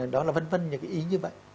đó là vân vân những cái ý như vậy